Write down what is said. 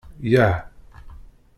Yah!